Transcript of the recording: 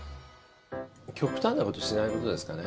極端なことをしないことですかね。